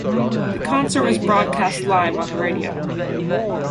The concert was broadcast live on the radio.